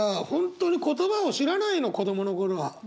本当に言葉を知らないの子供の頃は。